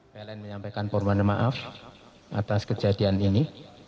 pln menyampaikan permohonan maaf atas kejadian ini